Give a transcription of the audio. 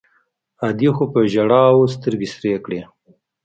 ادې خو په ژړاوو سترګې سرې کړې.